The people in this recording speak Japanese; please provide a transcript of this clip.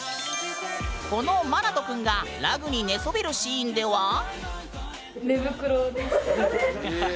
このＭＡＮＡＴＯくんがラグに寝そべるシーンでは？